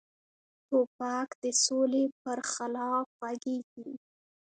توپک د سولې پر خلاف غږیږي.